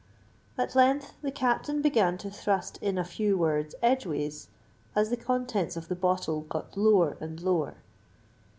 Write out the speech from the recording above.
At length the Captain began to thrust in a few words edgeways, as the contents of the bottle got lower and lower.